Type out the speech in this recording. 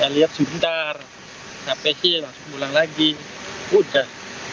lihat sebentar capek sih langsung pulang lagi udah